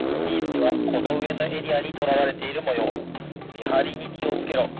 みはりにきをつけろ。